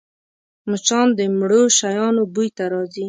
مچان د مړو شیانو بوی ته راځي